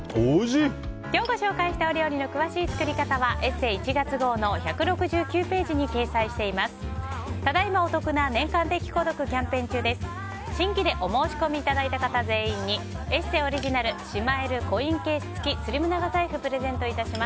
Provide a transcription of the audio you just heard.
今日ご紹介した料理の詳しい作り方は「ＥＳＳＥ」１月号の新年特大号１６９ページに掲載しています。